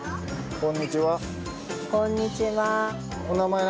こんにちは